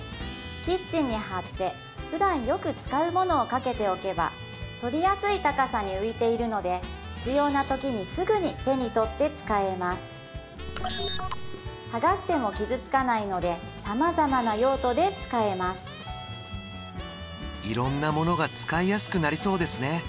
キッチンに貼ってふだんよく使うものをかけておけば取りやすい高さに浮いているので必要なときにすぐに手に取って使えます剥がしても傷つかないので様々な用途で使えますいろんなものが使いやすくなりそうですね